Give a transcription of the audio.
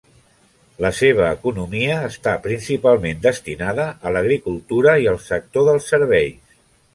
La seva economia està principalment destinada a l'agricultura i al sector dels serveis.